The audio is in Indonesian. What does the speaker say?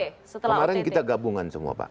kemarin kita gabungan semua pak